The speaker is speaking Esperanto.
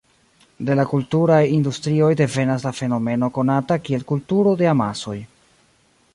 De la kulturaj industrioj devenas la fenomeno konata kiel "kulturo de amasoj".